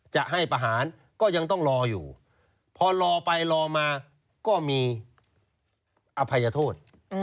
จะให้ประหารก็ยังต้องรออยู่พอรอไปรอมาก็มีอภัยโทษ